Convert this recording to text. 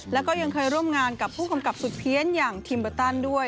แล้วก็ยังเคยร่วมงานกับผู้กำกับสุดเพี้ยนอย่างคิมเบอร์ตันด้วย